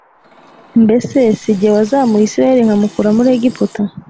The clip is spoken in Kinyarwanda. Mbese si jye wazamuye Isirayeli nkamukura muri Egiputa